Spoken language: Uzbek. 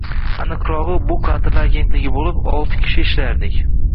Aniqrogʻi, bu kadrlar agentligi boʻlib, olti kishi ishlardik.